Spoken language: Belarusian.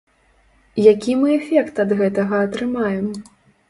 Які мы эфект ад гэтага атрымаем?